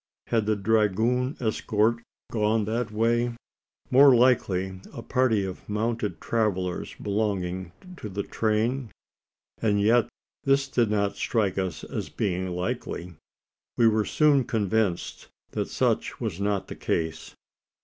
Had the dragoon escort gone that way? More likely a party of mounted travellers belonging to the train? And yet this did not strike us as being likely. We were soon convinced that such was not the case.